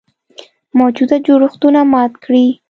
موجوده جوړښتونه مات کړي.